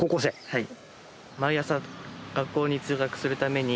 はい。